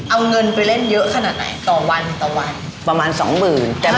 เอาเงินไปเล่นเยอะขนาดไหนต่อวันต่อวันประมาณสองหมื่น